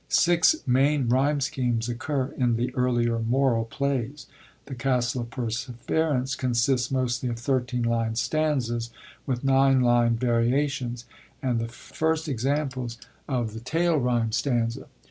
Six main ryme schemes occur in the earlier moral plays. The Castle of Perseverance consists mostly of 13 line stanzas with d line variations, and the first examples of the 'tail rymed' 1 Ramsay, clv.